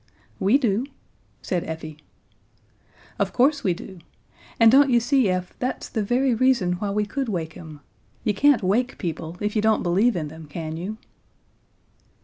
"We do," said Effie. "Of course we do. And don't you see, Ef, that's the very reason why we could wake him? You can't wake people if you don't believe in them, can you?"